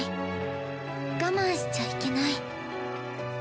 我慢しちゃいけない。